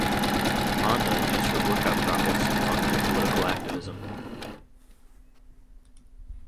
Fonda used her workout profits to fund her political activism.